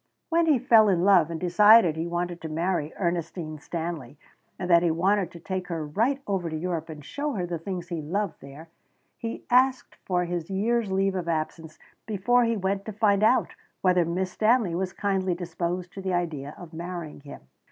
When he fell in love and decided he wanted to marry Ernestine Stanley, and that he wanted to take her right over to Europe and show her the things he loved there, he asked for his year's leave of absence before he went to find out whether Miss Stanley was kindly disposed to the idea of marrying him.